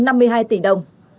là một trăm năm mươi hai tỷ đồng